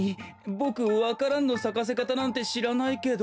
ボクわか蘭のさかせかたなんてしらないけど。